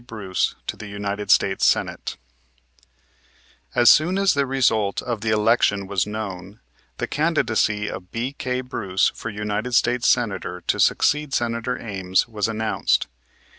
BRUCE TO THE UNITED STATES SENATE As soon as the result of the election was known, the candidacy of B.K. Bruce, for United States Senator to succeed Senator Ames, was announced.